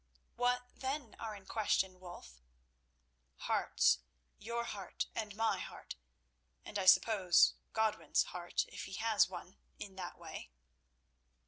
"What, then, are in question, Wulf?" "Hearts. Your heart and my heart—and, I suppose, Godwin's heart, if he has one—in that way."